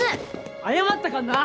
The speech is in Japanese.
謝ったからな！